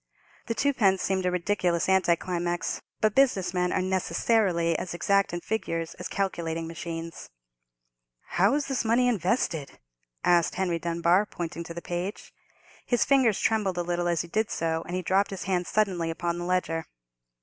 The twopence seemed a ridiculous anti climax; but business men are necessarily as exact in figures as calculating machines. "How is this money invested?" asked Henry Dunbar, pointing to the page. His fingers trembled a little as he did so, and he dropped his hand suddenly upon the ledger.